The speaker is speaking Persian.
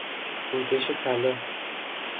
روکش طلا